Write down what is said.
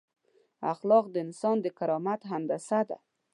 اخلاق د انسان د کرامت هندسه ده.